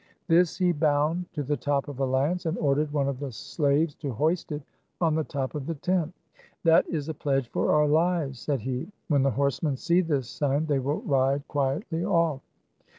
This he bound to the top of a lance, and ordered one of the slaves to hoist it on the top of the tent. " That is a pledge for our lives," said he. "When the horsemen see this sign, they will ride qui etly off."